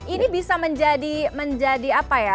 ini bisa menjadi apa ya